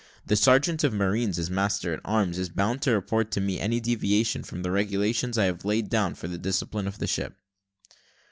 The sergeant of marines, as master at arms, is bound to report to me any deviation from the regulations I have laid down for the discipline of the ship."